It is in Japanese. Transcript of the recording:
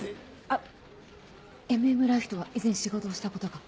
あっ「ＭＭＬＩＦＥ」とは以前仕事をしたことが。